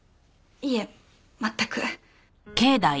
いえ全く。